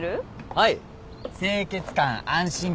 はい。